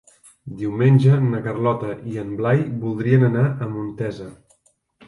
Diumenge na Carlota i en Blai voldrien anar a Montesa.